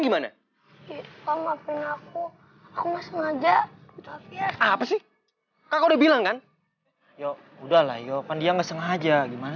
gimana aku mau sengaja apa sih kak udah bilang kan ya udah lah yo pandian nggak sengaja gimana